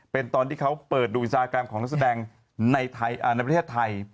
เป็นตอนที่เขาเปิดดูอินสตาแกรมของนักแสดงในประเทศไทย